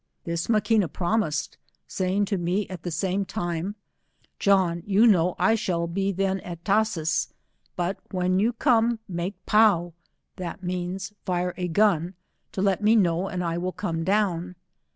This Ma quina promised, saying to me at the same time, " John, you know I shall be then at Tashees, but when you come raakepozo, which means, fire a gun to let me know, and I will come down."